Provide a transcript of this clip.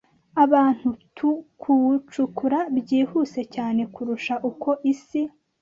Abantu tu kuwucukura byihuse cyane kurusha uko isi,